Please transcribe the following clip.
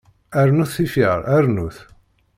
Rnut tifyar, rnut!